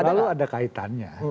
selalu ada kaitannya